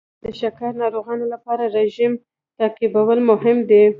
د شکر ناروغانو لپاره رژیم تعقیبول مهم دي.